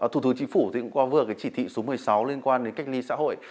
thủ tướng chính phủ cũng qua vừa chỉ thị số một mươi sáu liên quan đến cách ly xã hội